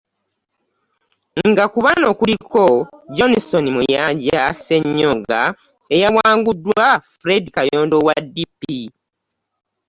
Nga ku bano kuliko; Johnson Muyanja Ssenyonga eyawanguddwa Fred Kayondo owa DP